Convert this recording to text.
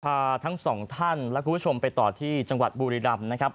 พาทั้งสองท่านและคุณผู้ชมไปต่อที่จังหวัดบุรีรำนะครับ